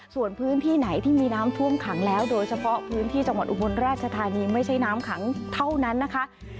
ส่วนพื้นที่ไหนที่มีน้ำท่วมขังแล้วโดยเฉพาะพื้นที่จังหวัดอุบลราชธานีไม่ใช่น้ำขังเท่านั้นนะคะ